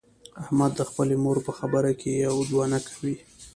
احمد د خپلې مور په خبره کې یو دوه نه کوي.